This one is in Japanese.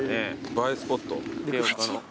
映えスポット。